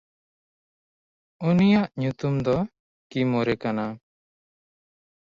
ᱩᱱᱤᱭᱟᱜ ᱧᱩᱛᱩᱢ ᱫᱚ ᱠᱤᱢᱚᱨᱮ ᱠᱟᱱᱟ᱾